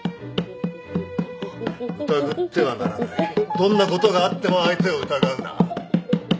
どんなことがあっても相手を疑うな。